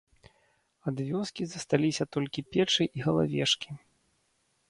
Ад вёскі засталіся толькі печы і галавешкі.